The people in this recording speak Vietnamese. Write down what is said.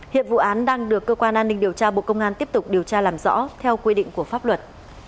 hiện vụ án đang được cơ quan an ninh điều tra bộ công an tiếp tục điều tra làm rõ theo quy định của pháp luật